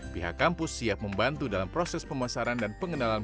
pihak kampus siap membantu dalam proses pemasaran dan pengenalan